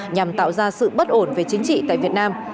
nhằm tạo ra sự bất ổn về chính trị tại việt nam